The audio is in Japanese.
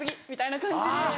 みたいな感じで。